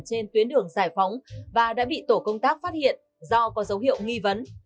trên tuyến đường giải phóng và đã bị tổ công tác phát hiện do có dấu hiệu nghi vấn